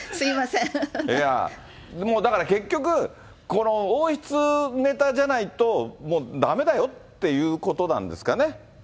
いや、だからもう結局、この王室ネタじゃないと、もうだめだよっていうことなんですかね。